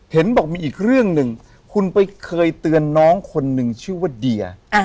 เห็นบอกมีอีกเรื่องหนึ่งคุณไปเคยเตือนน้องคนหนึ่งชื่อว่าเดีย